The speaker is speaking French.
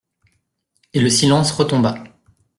Et le silence retomba.